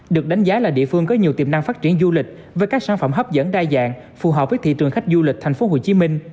được đánh giá là địa phương có nhiều tiềm năng phát triển du lịch với các sản phẩm hấp dẫn đa dạng phù hợp với thị trường khách du lịch tp hcm